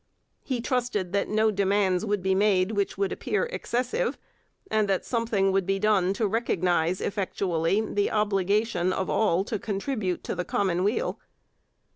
He trusted that no demands would be made which would appear excessive, and that something would be done to recognize effectually the obligation of all to contribute to the common weal.